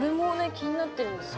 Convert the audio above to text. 気になってるんですよ。